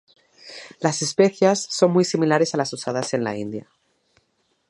Las especias son muy similares a las usadas en la India.